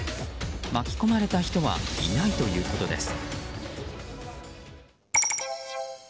巻き込まれた人はいないということです。